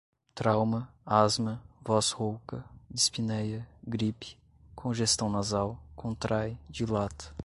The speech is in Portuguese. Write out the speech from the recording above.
trauma, asma, voz rouca, dispneia, gripe, congestão nasal, contrai, dilata